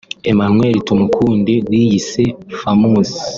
Emmanuel Tumukunde wiyise Famous